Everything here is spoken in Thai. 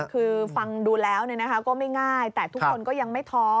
คือฟังดูแล้วก็ไม่ง่ายแต่ทุกคนก็ยังไม่ท้อ